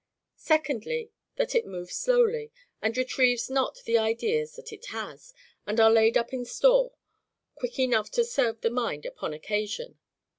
Secondly, That it moves slowly, and retrieves not the ideas that it has, and are laid up in store, quick enough to serve the mind upon occasion.